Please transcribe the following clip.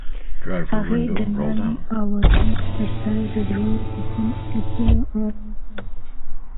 هغې د نرم اوازونو ترڅنګ د زړونو ټپونه آرام کړل.